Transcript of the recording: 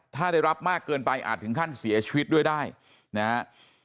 ถ้าได้รับมากเกินไปอาจถึงขั้นเสียชีวิตด้วยได้นะฮะ